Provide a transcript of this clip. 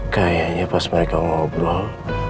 kayaknya pas mereka ngobrol